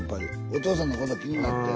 お父さんのこと気になって。